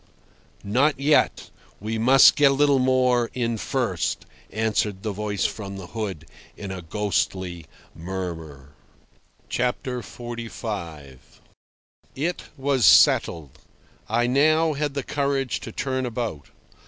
"Not yet. We must get a little more in first," answered the voice from the hood in a ghostly murmur. XLV. It was settled. I had now the courage to turn about.